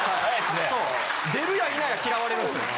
出るや否や嫌われるんですよ。